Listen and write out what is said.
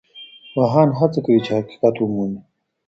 پوهان هڅه کوي چي حقیقت ومومي.